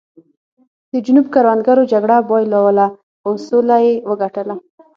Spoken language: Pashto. د جنوب کروندګرو جګړه بایلوله خو سوله یې وګټله.